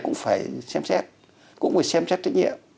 cũng phải xem xét cũng phải xem xét trách nhiệm